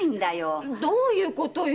どういうことよ？